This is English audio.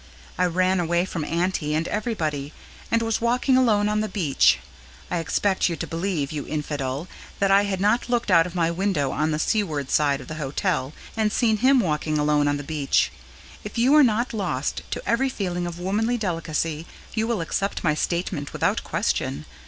I ran away from Auntie and everybody, and was walking alone on the beach. I expect you to believe, you infidel! that I had not looked out of my window on the seaward side of the hotel and seen him walking alone on the beach. If you are not lost to every feeling of womanly delicacy you will accept my statement without question.